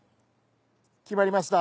きまりました。